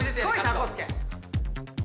たこすけ。